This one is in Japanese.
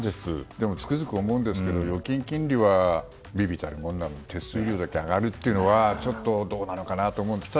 でも、つくづく思うんですが預金金利は微々たるもので手数料だけ上がるっていうのはちょっとどうなのかなって思うんですけど。